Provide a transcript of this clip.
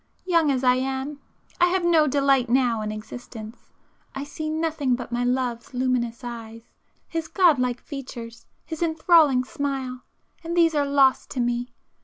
Young as I am, I have no delight now in existence,—I see nothing but my love's luminous eyes, his god like features, his enthralling smile,—and these are lost to me.